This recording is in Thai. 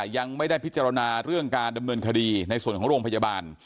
ยังไม่ได้พิจารณาเรื่องการดำเนินคดีในส่วนของโรงพยาบาล